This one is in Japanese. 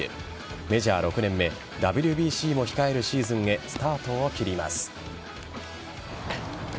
メジャー６年目ＷＢＣも控えるシーズンへスタートを切ります。